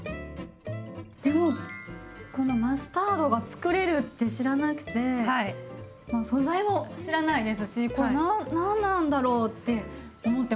でもこのマスタードがつくれるって知らなくて素材も知らないですしこれ何なんだろうって思ってました。